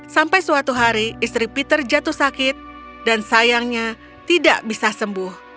sampai suatu hari istri peter jatuh sakit dan sayangnya tidak bisa sembuh